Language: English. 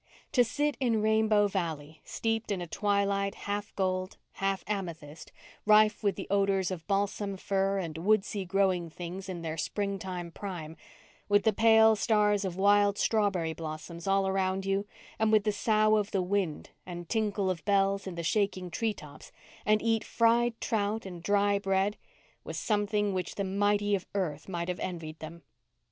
To sit in Rainbow Valley, steeped in a twilight half gold, half amethyst, rife with the odours of balsam fir and woodsy growing things in their springtime prime, with the pale stars of wild strawberry blossoms all around you, and with the sough of the wind and tinkle of bells in the shaking tree tops, and eat fried trout and dry bread, was something which the mighty of earth might have envied them.